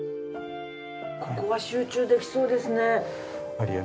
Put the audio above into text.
ここは集中できそうですね。